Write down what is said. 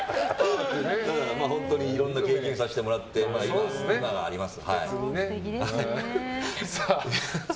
本当にいろんな経験をさせてもらって今があります。